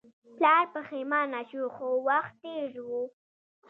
پلار پښیمانه شو خو وخت تیر و.